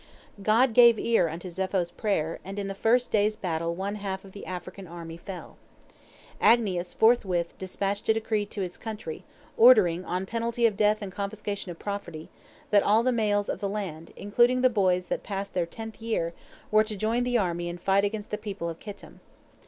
God gave ear unto Zepho's prayer, and in the first day's battle one half of the African army fell. Agnias forthwith dispatched a decree to his country, ordering, on penalty of death and confiscation of property, that all the males of the land, including boys that bad passed their tenth year, were to join the army and fight against the people of Kittim.